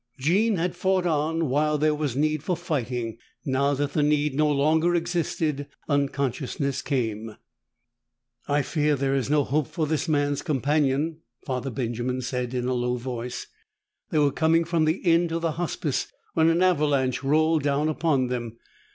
Jean had fought on while there was need for fighting. Now that the need no longer existed, unconsciousness came. "I fear that there is no hope for this man's companion," Father Benjamin said in a low voice. "They were coming from the inn to the Hospice when an avalanche rolled down upon them.